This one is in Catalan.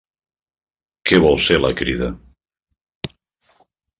Què vol ser la Crida?